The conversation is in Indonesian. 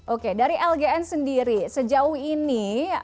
oke dari lgn sendiri sejauh ini